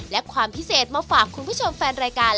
และความพิเศษมาฝากคุณผู้ชมแฟนรายการ